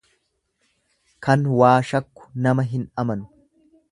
Kan waa shakku nama hin amanu.